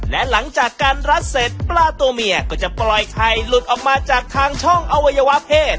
และหลังจากการรัดเสร็จปลาตัวเมียก็จะปล่อยไข่หลุดออกมาจากทางช่องอวัยวะเพศ